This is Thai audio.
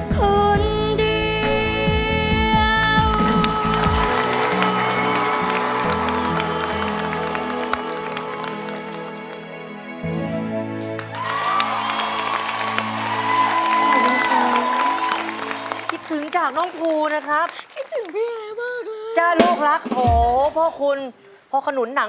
คิดถึงฉันหรือเปล่า